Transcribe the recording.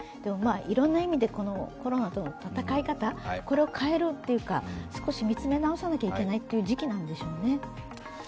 いろんな意味でコロナとの闘い方、これを変えるっていうか、少し見つめ直さなければいけない時期なんでしょうね。